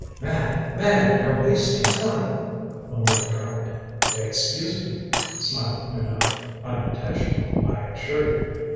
"Man! Man! You're wasting time," O'Neill cried. "Excuse me," smiled Minot. "Unintentional, I assure you."